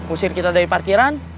usir kita dari parkiran